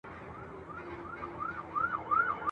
پاکوالی په کور کي اړین دئ.